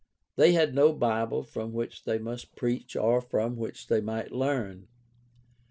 They had no Bible from which they must preach or from which they might learn.